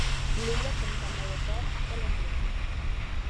L"illa compta amb l"aeroport El Embrujo.